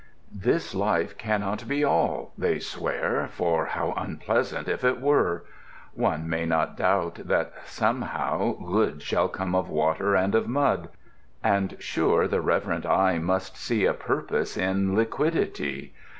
This life cannot be All, they swear, For how unpleasant, if it were! One may not doubt that, somehow, Good Shall come of Water and of Mud; And, sure, the reverent eye must see A Purpose in Liquidity.